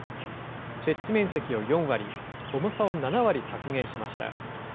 設置面積を４割、重さを７割削減しました。